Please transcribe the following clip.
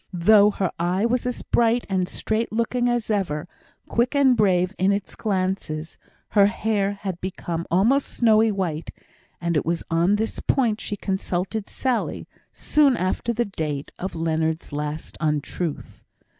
Though her eye was as bright and straight looking as ever, quick and brave in its glances, her hair had become almost snowy white; and it was on this point she consulted Sally, soon after the date of Leonard's last untruth.